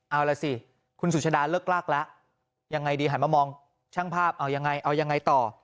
เอาล่ะสิคุณสุชาดาเลิกลากแล้วยังไงดีหันมามองช่างภาพเอายังไงเอายังไงต่อ